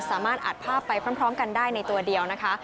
สามารถอัดภาพไปพร้อมกันได้ในตัวเดียวนะคะ